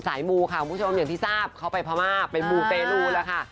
มูค่ะคุณผู้ชมอย่างที่ทราบเขาไปพม่าเป็นมูเตลูแล้วค่ะ